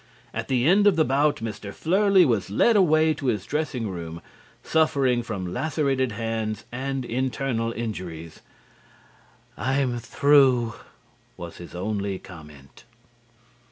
At the end of the bout Mr. Flerlie was led away to his dressing room, suffering from lacerated hands and internal injuries. "I'm through," was his only comment.